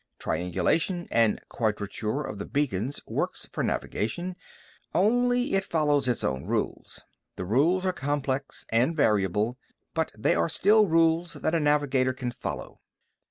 Triangulation and quadrature of the beacons works for navigation only it follows its own rules. The rules are complex and variable, but they are still rules that a navigator can follow.